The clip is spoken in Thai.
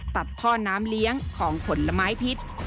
ตัดท่อน้ำเลี้ยงของผลไม้พิษ